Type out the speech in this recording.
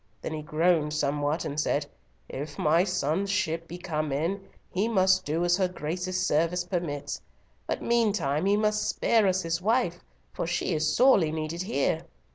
then he groaned somewhat, and said, 'If my son's ship be come in, he must do as her Grace's service permits, but meantime he must spare us his wife, for she is sorely needed here.'